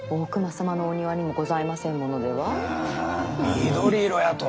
緑色やと？